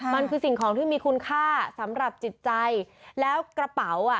มันคือสิ่งของที่มีคุณค่าสำหรับจิตใจแล้วกระเป๋าอ่ะ